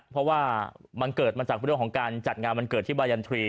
เพราะว่ามันเกิดมาจากเรื่องของการจัดงานวันเกิดที่บายันทรีย์